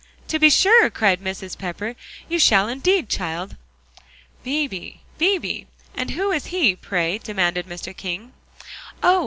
"To be sure," cried Mrs. Pepper, "you shall indeed, child." "Beebe Beebe, and who is he, pray?" demanded Mr. King. "Oh!